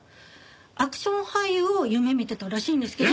アクション俳優を夢見てたらしいんですけど。